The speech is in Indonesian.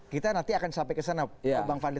kita nanti akan sampai kesana bang fadli